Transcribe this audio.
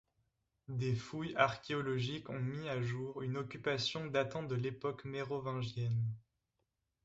Des fouilles archéologiques ont mis à jour une occupation datant de l'époque mérovingienne.